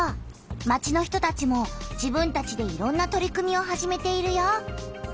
町の人たちも自分たちでいろんな取り組みを始めているよ！